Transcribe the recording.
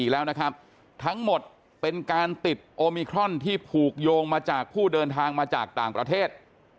แล้วนะครับทั้งหมดเป็นการติดโอมิครอนที่ผูกโยงมาจากผู้เดินทางมาจากต่างประเทศ